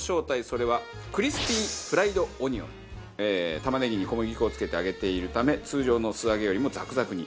玉ねぎに小麦粉をつけて揚げているため通常の素揚げよりもザクザクに。